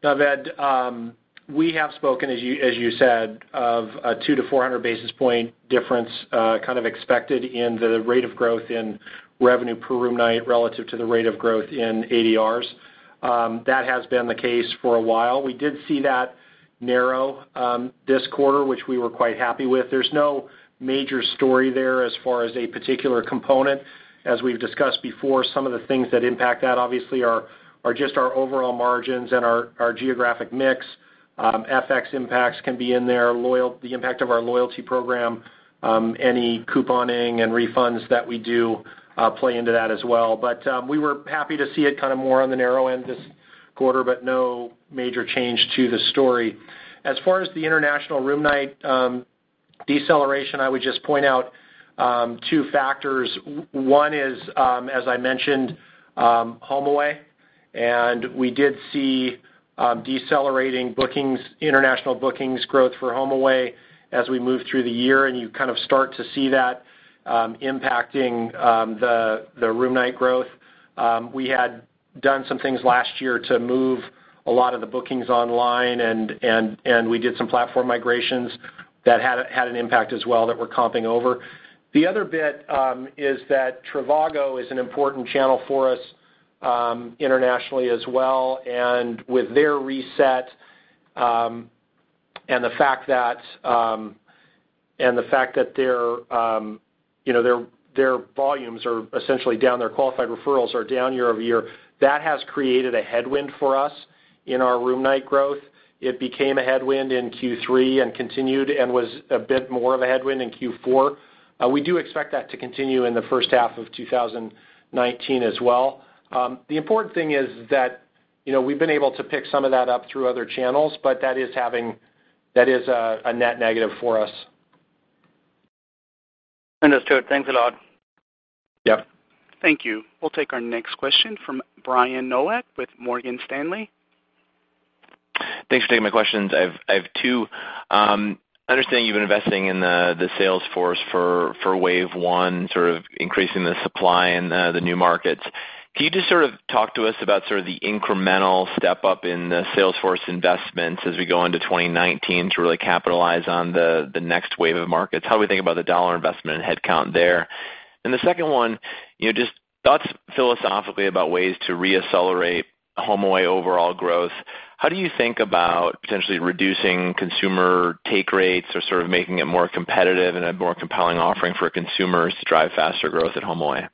[SPEAKER 4] Naved, we have spoken, as you said, of a 2 to 400 basis point difference, kind of expected in the rate of growth in revenue per room night relative to the rate of growth in ADRs. That has been the case for a while. We did see that narrow this quarter, which we were quite happy with. There's no major story there as far as a particular component. As we've discussed before, some of the things that impact that obviously are just our overall margins and our geographic mix. FX impacts can be in there, the impact of our loyalty program, any couponing and refunds that we do play into that as well. We were happy to see it kind of more on the narrow end this quarter, but no major change to the story. As far as the international room night deceleration, I would just point out 2 factors. One is, as I mentioned, HomeAway, and we did see decelerating bookings, international bookings growth for HomeAway as we moved through the year, and you kind of start to see that impacting the room night growth. We had done some things last year to move a lot of the bookings online, and we did some platform migrations that had an impact as well that we're comping over. The other bit is that trivago is an important channel for us internationally as well, and with their reset, and the fact that their volumes are essentially down, their qualified referrals are down year-over-year, that has created a headwind for us in our room night growth. It became a headwind in Q3 and continued and was a bit more of a headwind in Q4. We do expect that to continue in the first half of 2019 as well. The important thing is that we've been able to pick some of that up through other channels, that is a net negative for us.
[SPEAKER 11] Understood. Thanks a lot.
[SPEAKER 4] Yep.
[SPEAKER 1] Thank you. We'll take our next question from Brian Nowak with Morgan Stanley.
[SPEAKER 12] Thanks for taking my questions. I have two. Understanding you've been investing in the sales force for wave one, sort of increasing the supply in the new markets. Can you just sort of talk to us about the incremental step up in the sales force investments as we go into 2019 to really capitalize on the next wave of markets? How are we thinking about the dollar investment and headcount there? The second one, just thoughts philosophically about ways to reaccelerate HomeAway overall growth. How do you think about potentially reducing consumer take rates or sort of making it more competitive and a more compelling offering for consumers to drive faster growth at HomeAway?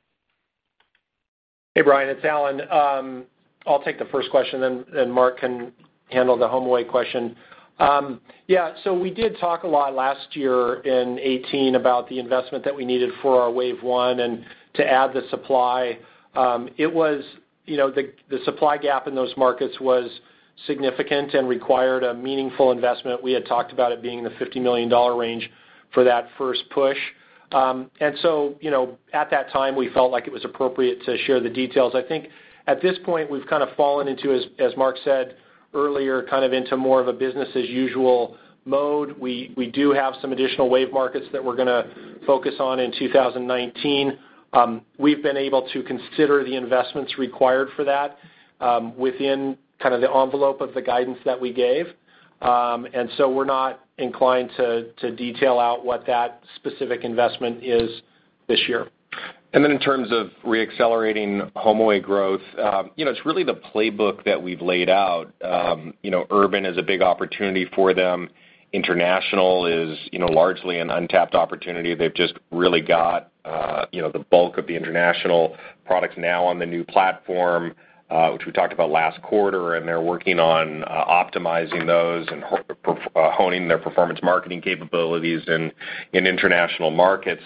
[SPEAKER 4] Hey, Brian, it's Alan. I'll take the first question, then Mark can handle the HomeAway question. Yeah. We did talk a lot last year in 2018 about the investment that we needed for our wave one and to add the supply. The supply gap in those markets was significant and required a meaningful investment. We had talked about it being in the $50 million range for that first push. At that time, we felt like it was appropriate to share the details. I think at this point, we've kind of fallen into, as Mark said earlier, kind of into more of a business as usual mode. We do have some additional wave markets that we're going to focus on in 2019. We've been able to consider the investments required for that within kind of the envelope of the guidance that we gave. We're not inclined to detail out what that specific investment is this year.
[SPEAKER 3] In terms of reaccelerating HomeAway growth, it's really the playbook that we've laid out. Urban is a big opportunity for them. International is largely an untapped opportunity. They've just really got the bulk of the international products now on the new platform, which we talked about last quarter, and they're working on optimizing those and honing their performance marketing capabilities in international markets.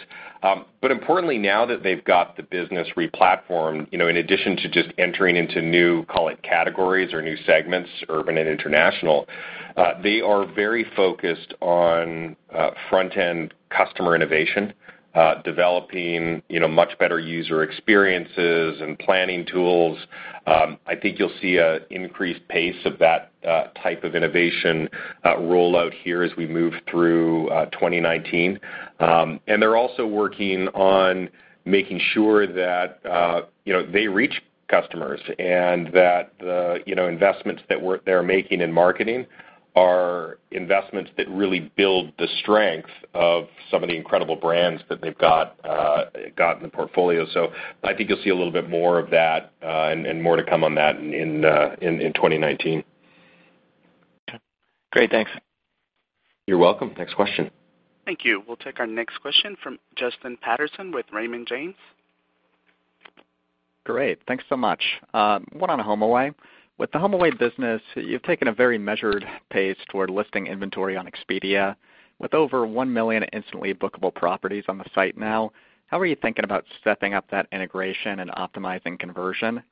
[SPEAKER 3] Importantly, now that they've got the business replatformed, in addition to just entering into new, call it categories or new segments, urban and international, they are very focused on front-end customer innovation, developing much better user experiences and planning tools. I think you'll see an increased pace of that type of innovation roll out here as we move through 2019. They're also working on making sure that they reach customers and that the investments that they're making in marketing are investments that really build the strength of some of the incredible brands that they've got in the portfolio. I think you'll see a little bit more of that, and more to come on that in 2019.
[SPEAKER 12] Okay. Great. Thanks.
[SPEAKER 3] You're welcome. Next question.
[SPEAKER 1] Thank you. We'll take our next question from Justin Patterson with Raymond James.
[SPEAKER 13] Great. Thanks so much. One on HomeAway. With the HomeAway business, you've taken a very measured pace toward listing inventory on Expedia. With over 1 million instantly bookable properties on the site now, how are you thinking about stepping up that integration and optimizing conversion?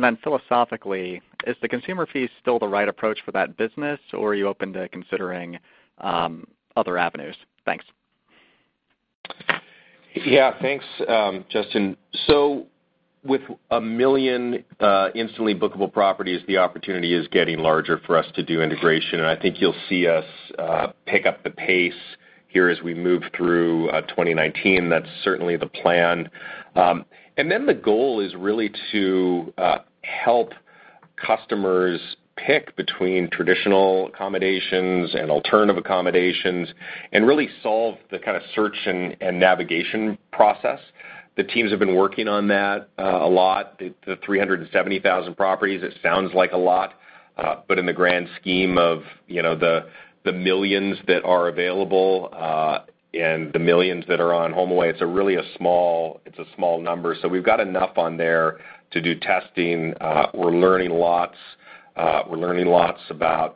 [SPEAKER 13] Then philosophically, is the consumer fee still the right approach for that business, or are you open to considering other avenues? Thanks.
[SPEAKER 3] Yeah. Thanks, Justin. With 1 million instantly bookable properties, the opportunity is getting larger for us to do integration, and I think you'll see us pick up the pace here as we move through 2019. That's certainly the plan. Then the goal is really to help customers pick between traditional accommodations and alternative accommodations and really solve the kind of search and navigation process. The teams have been working on that a lot. The 370,000 properties, it sounds like a lot, but in the grand scheme of the millions that are available, and the millions that are on HomeAway, it's a small number. We've got enough on there to do testing. We're learning lots about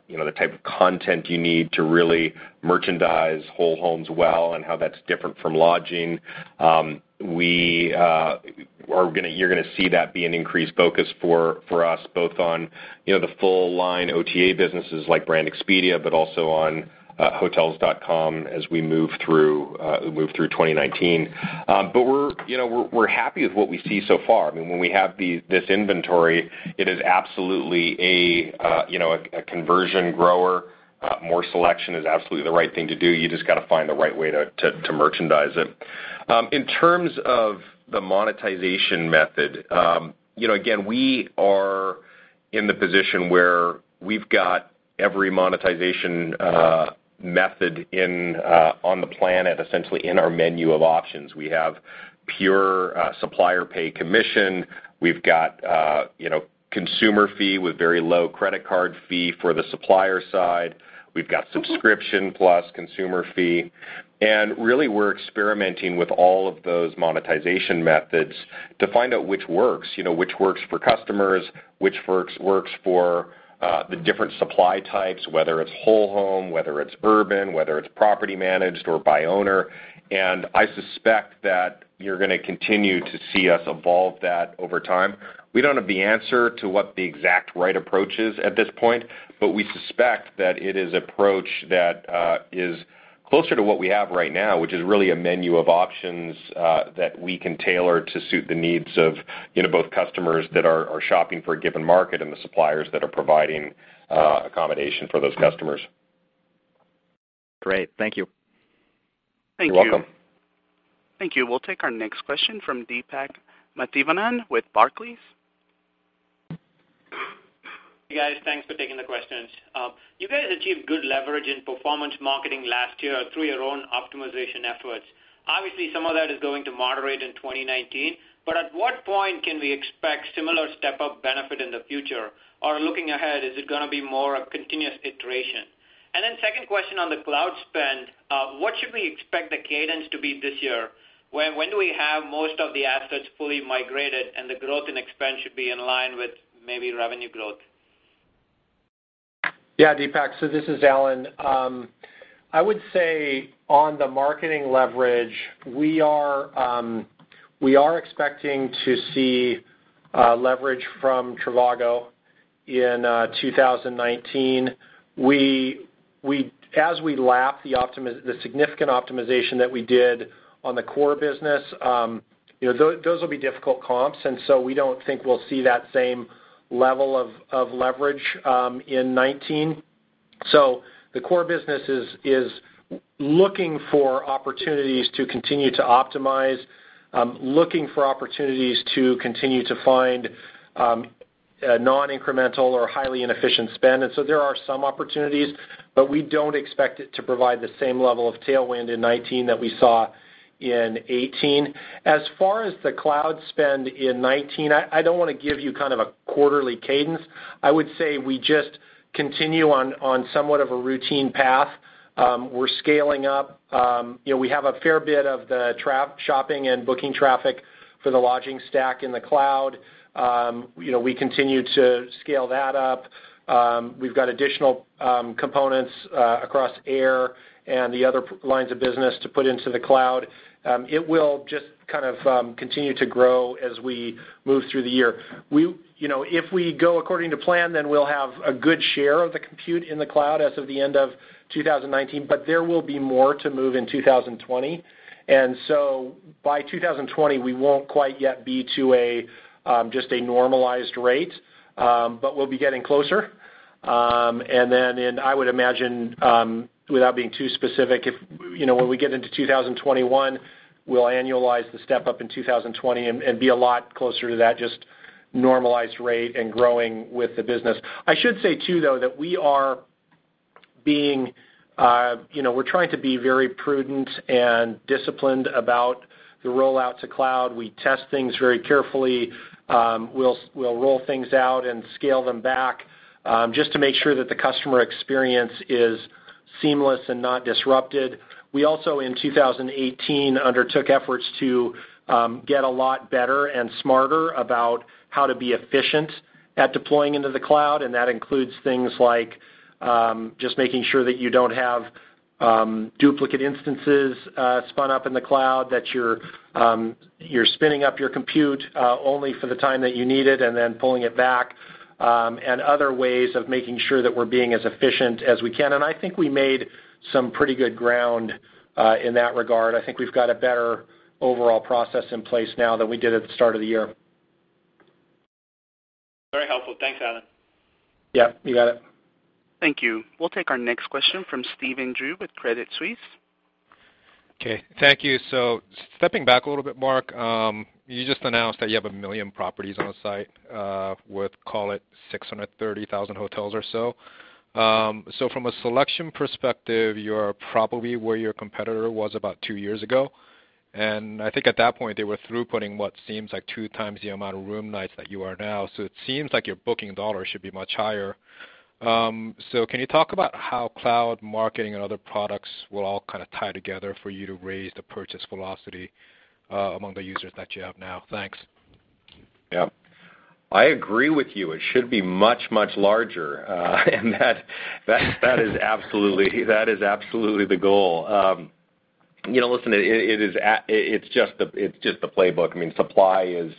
[SPEAKER 3] the type of content you need to really merchandise whole homes well and how that's different from lodging. You're going to see that be an increased focus for us, both on the full line OTA businesses like Brand Expedia, but also on Hotels.com as we move through 2019. We're happy with what we see so far. When we have this inventory, it is absolutely a conversion grower. More selection is absolutely the right thing to do. You just got to find the right way to merchandise it. In terms of the monetization method, again, we are in the position where we've got every monetization method on the planet, essentially in our menu of options. We have pure supplier pay commission. We've got consumer fee with very low credit card fee for the supplier side. We've got subscription plus consumer fee. Really, we're experimenting with all of those monetization methods to find out which works, which works for customers, which works for the different supply types, whether it's whole home, whether it's urban, whether it's property managed or by owner. I suspect that you're going to continue to see us evolve that over time. We don't have the answer to what the exact right approach is at this point, but we suspect that it is approach that is closer to what we have right now, which is really a menu of options that we can tailor to suit the needs of both customers that are shopping for a given market and the suppliers that are providing accommodation for those customers.
[SPEAKER 13] Great. Thank you.
[SPEAKER 3] Thank you. You're welcome.
[SPEAKER 1] Thank you. We'll take our next question from Deepak Mathivanan with Barclays.
[SPEAKER 14] Hey, guys. Thanks for taking the questions. You guys achieved good leverage in performance marketing last year through your own optimization efforts. Obviously, some of that is going to moderate in 2019. At what point can we expect similar step-up benefit in the future? Looking ahead, is it going to be more a continuous iteration? Second question on the cloud spend, what should we expect the cadence to be this year? When do we have most of the assets fully migrated and the growth in expense should be in line with maybe revenue growth?
[SPEAKER 4] Yeah, Deepak. This is Alan. I would say on the marketing leverage, we are expecting to see leverage from trivago in 2019. As we lap the significant optimization that we did on the core business, those will be difficult comps. We don't think we'll see that same level of leverage in 2019. The core business is looking for opportunities to continue to optimize, looking for opportunities to continue to find non-incremental or highly inefficient spend. There are some opportunities, we don't expect it to provide the same level of tailwind in 2019 that we saw in 2018. As far as the cloud spend in 2019, I don't want to give you a quarterly cadence. I would say we just continue on somewhat of a routine path. We're scaling up. We have a fair bit of the shopping and booking traffic for the lodging stack in the cloud. We continue to scale that up. We've got additional components across air and the other lines of business to put into the cloud. It will just continue to grow as we move through the year. If we go according to plan, we'll have a good share of the compute in the cloud as of the end of 2019, but there will be more to move in 2020. By 2020, we won't quite yet be to just a normalized rate, but we'll be getting closer. I would imagine, without being too specific, when we get into 2021, we'll annualize the step-up in 2020 and be a lot closer to that just normalized rate and growing with the business. I should say, too, though, that we're trying to be very prudent and disciplined about the rollout to cloud. We test things very carefully. We'll roll things out and scale them back, just to make sure that the customer experience is seamless and not disrupted. We also, in 2018, undertook efforts to get a lot better and smarter about how to be efficient at deploying into the cloud, and that includes things like just making sure that you don't have duplicate instances spun up in the cloud, that you're spinning up your compute only for the time that you need it and then pulling it back, and other ways of making sure that we're being as efficient as we can. I think we made some pretty good ground in that regard. I think we've got a better overall process in place now than we did at the start of the year.
[SPEAKER 14] Very helpful. Thanks, Alan.
[SPEAKER 4] Yeah, you got it.
[SPEAKER 1] Thank you. We'll take our next question from Stephen Ju with Credit Suisse.
[SPEAKER 15] Okay. Thank you. Stepping back a little bit, Mark, you just announced that you have one million properties on the site, with call it 630,000 hotels or so. From a selection perspective, you're probably where your competitor was about two years ago. I think at that point, they were throughputing what seems like two times the amount of room nights that you are now. Can you talk about how cloud marketing and other products will all tie together for you to raise the purchase velocity among the users that you have now? Thanks.
[SPEAKER 3] Yeah. I agree with you. It should be much, much larger. That is absolutely the goal. Listen, it's just the playbook. Supply is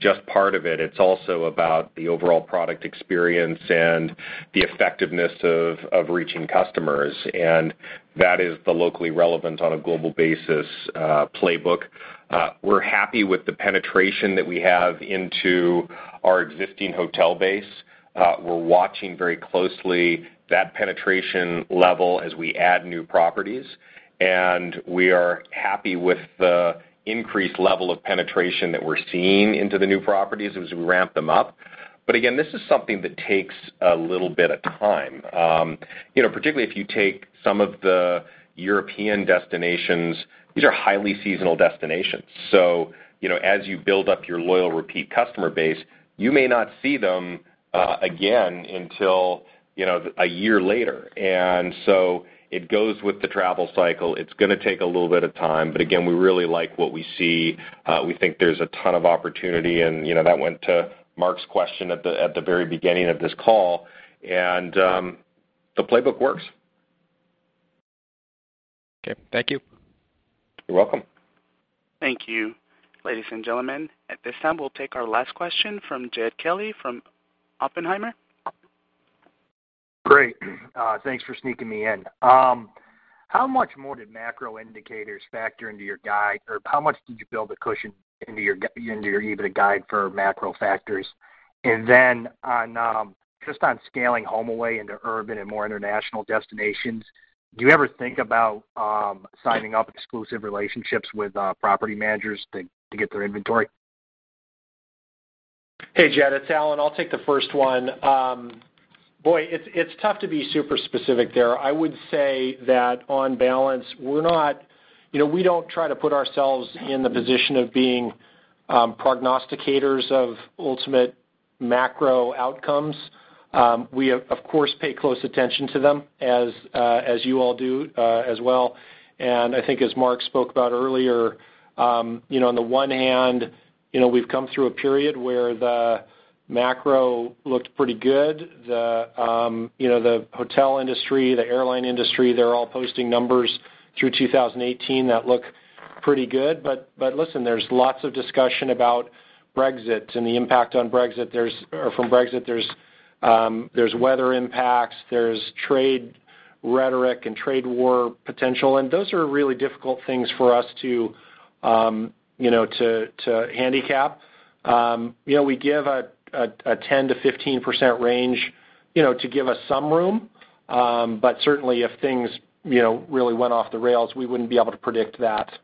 [SPEAKER 3] just part of it. It's also about the overall product experience and the effectiveness of reaching customers, and that is the locally relevant on a global basis playbook. We're happy with the penetration that we have into our existing hotel base. We're watching very closely that penetration level as we add new properties, and we are happy with the increased level of penetration that we're seeing into the new properties as we ramp them up. Again, this is something that takes a little bit of time. Particularly if you take some of the European destinations, these are highly seasonal destinations. As you build up your loyal repeat customer base, you may not see them again until one year later.
[SPEAKER 4] It goes with the travel cycle. It's going to take a little bit of time, again, we really like what we see. We think there's a ton of opportunity, that went to Mark's question at the very beginning of this call, the playbook works.
[SPEAKER 15] Okay. Thank you.
[SPEAKER 3] You're welcome.
[SPEAKER 1] Thank you. Ladies and gentlemen, at this time, we'll take our last question from Jed Kelly from Oppenheimer.
[SPEAKER 16] Great. Thanks for sneaking me in. How much more did macro indicators factor into your guide? Or how much did you build a cushion into your EBITDA guide for macro factors? Then just on scaling HomeAway into urban and more international destinations, do you ever think about signing up exclusive relationships with property managers to get their inventory?
[SPEAKER 4] Hey, Jed, it's Alan. I'll take the first one. Boy, it's tough to be super specific there. I would say that on balance, we don't try to put ourselves in the position of being prognosticators of ultimate macro outcomes. We, of course, pay close attention to them, as you all do as well. I think as Mark spoke about earlier, on the one hand, we've come through a period where the macro looked pretty good. The hotel industry, the airline industry, they're all posting numbers through 2018 that look pretty good. Listen, there's lots of discussion about Brexit and the impact from Brexit. There's weather impacts, there's trade rhetoric and trade war potential, those are really difficult things for us to handicap. We give a 10%-15% range to give us some room. Certainly if things really went off the rails, we wouldn't be able to predict that.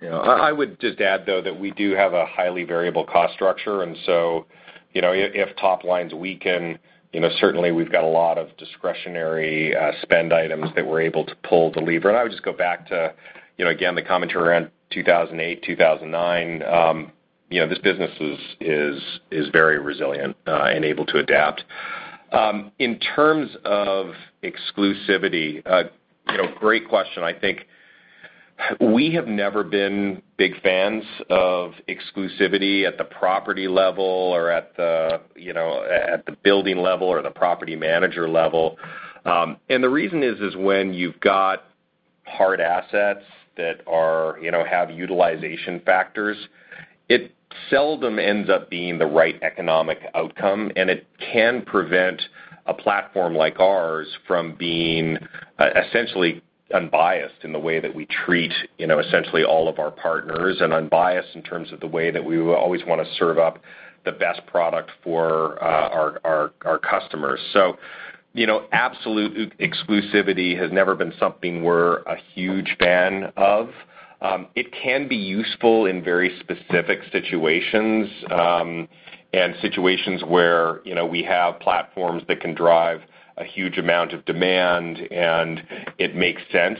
[SPEAKER 3] Yeah. I would just add, though, that we do have a highly variable cost structure, if top lines weaken, certainly we've got a lot of discretionary spend items that we're able to pull the lever. I would just go back to, again, the commentary around 2008, 2009. This business is very resilient and able to adapt. In terms of exclusivity, great question. I think we have never been big fans of exclusivity at the property level or at the building level or the property manager level. The reason is when you've got hard assets that have utilization factors, it seldom ends up being the right economic outcome, and it can prevent a platform like ours from being essentially unbiased in the way that we treat essentially all of our partners, and unbiased in terms of the way that we always want to serve up the best product for our customers. Absolute exclusivity has never been something we're a huge fan of. It can be useful in very specific situations, and situations where we have platforms that can drive a huge amount of demand, and it makes sense.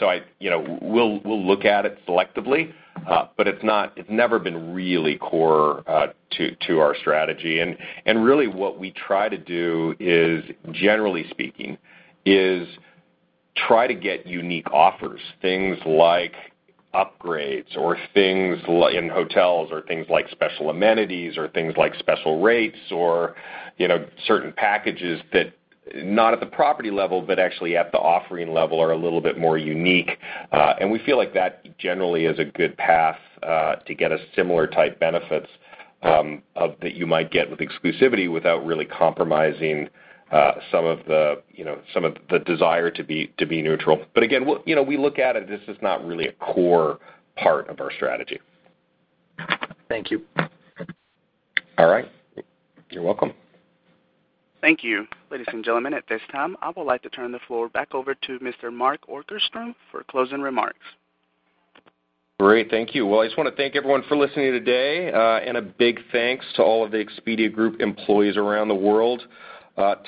[SPEAKER 3] We'll look at it selectively, but it's never been really core to our strategy. Really what we try to do is, generally speaking, is try to get unique offers. Things like upgrades or things in hotels, or things like special amenities, or things like special rates or certain packages that, not at the property level, but actually at the offering level, are a little bit more unique. We feel like that generally is a good path to get a similar type benefits that you might get with exclusivity without really compromising some of the desire to be neutral. Again, we look at it as just not really a core part of our strategy.
[SPEAKER 16] Thank you.
[SPEAKER 3] All right. You're welcome.
[SPEAKER 1] Thank you. Ladies and gentlemen, at this time, I would like to turn the floor back over to Mr. Mark Okerstrom for closing remarks.
[SPEAKER 3] Great. Thank you. Well, I just want to thank everyone for listening today, and a big thanks to all of the Expedia Group employees around the world.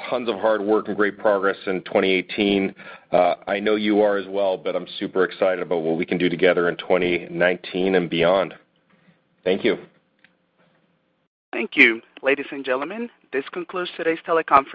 [SPEAKER 3] Tons of hard work and great progress in 2018. I know you are as well, but I'm super excited about what we can do together in 2019 and beyond. Thank you.
[SPEAKER 1] Thank you. Ladies and gentlemen, this concludes today's teleconference.